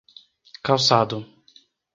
Calçado